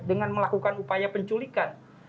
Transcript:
dengan melakukan upaya penculikan